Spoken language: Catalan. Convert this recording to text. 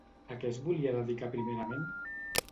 A què es volia dedicar primerament?